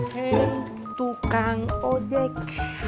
hei tukang ojek